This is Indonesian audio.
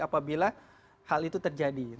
apabila hal itu terjadi